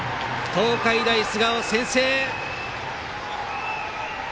東海大菅生、先制！